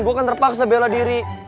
gue akan terpaksa bela diri